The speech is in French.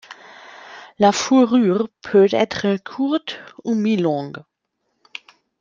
La fourrure peut être courte ou mi-longue.